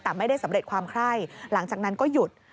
แต่ไม่ได้สำเร็จความไคร้หลังจากนั้นก็หยุด